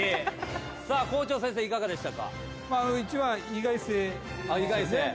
さあ校長先生いかがでしたか？